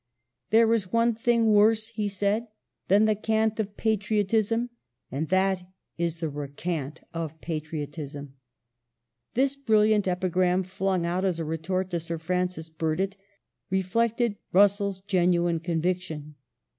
" There is one thing worse," he said, " than the cant of patriotism, and that is the re cant of patriotism." This brilliant epigram, flung out as a retort to Sir Francis Burdett, re flected RusselFs genuine conviction.